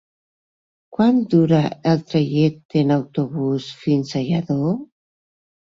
Quant dura el trajecte en autobús fins a Lladó?